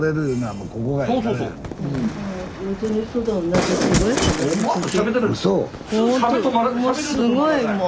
もうすごいもう。